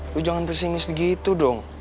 lu jangan pesimis gitu dong